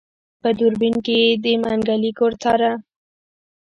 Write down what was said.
په دوربين کې يې د منګلي کور څاره.